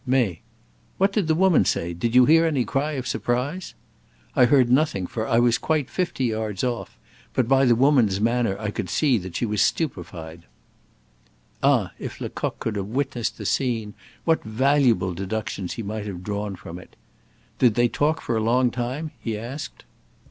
"May." "What did the woman say? Did you hear any cry of surprise?" "I heard nothing, for I was quite fifty yards off; but by the woman's manner I could see she was stupefied." Ah! if Lecoq could have witnessed the scene, what valuable deductions he might have drawn from it. "Did they talk for a long time?" he asked.